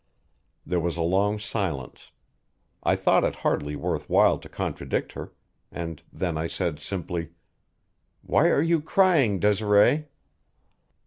There was a long silence I thought it hardly worth while to contradict her and then I said simply, "Why are you crying, Desiree?"